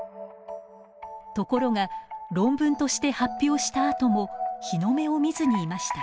ところが論文として発表したあとも日の目を見ずにいました。